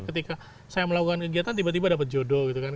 ketika saya melakukan kegiatan tiba tiba dapat jodoh gitu kan